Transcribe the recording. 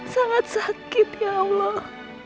sangat sakit ya allah